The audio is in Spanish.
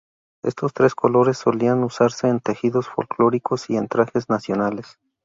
Estos tres colores solían usarse en tejidos folclóricos y en trajes nacionales.